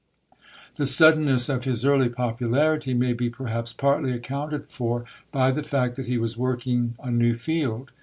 The suddenness of his early popularity may be perhaps partly accounted for by the fact that he was working a new field.